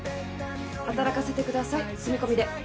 働かせてください住み込みで。